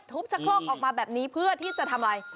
รบชะโต๊กออกมาแบบนี้เพื่อจะทำอะไร